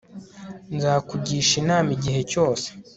Ndakugisha inama igihe cyose